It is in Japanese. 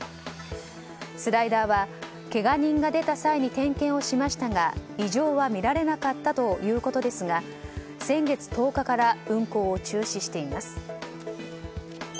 スライダーは、けが人が出た際に点検をしましたが異常は見られなかったということですが先月１０日から運行を中止しています。